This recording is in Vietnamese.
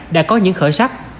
đã có những khởi sắc